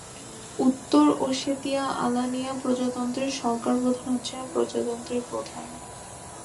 উত্তর ওশেতিয়া-আলানিয়া প্রজাতন্ত্রের সরকার প্রধান হচ্ছেন প্রজাতন্ত্রের প্রধান।